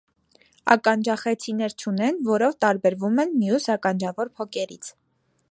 Ականջախեցիներ չունեն, որով տարբերվում են մյուս՝ ականջավոր փոկերից։